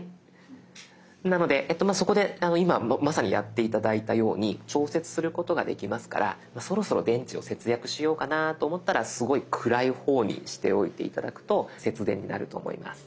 なのでそこで今まさにやって頂いたように調節することができますからそろそろ電池を節約しようかなと思ったらすごい暗い方にしておいて頂くと節電になると思います。